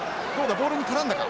ボールに絡んだか？